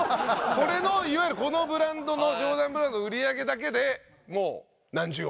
これのいわゆるこのブランドのジョーダンブランドの売り上げだけでもう何十億。